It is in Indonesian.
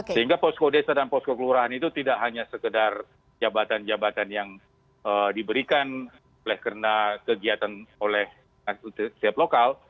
sehingga posko desa dan posko kelurahan itu tidak hanya sekedar jabatan jabatan yang diberikan oleh karena kegiatan oleh setiap lokal